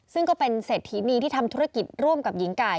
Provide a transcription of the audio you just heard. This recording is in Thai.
ซึ่งก็เป็นเศรษฐีนีที่ทำธุรกิจร่วมกับหญิงไก่